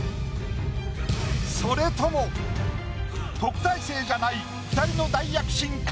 それとも特待生じゃない２人の大躍進か？